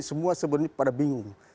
semua sebenarnya pada bingung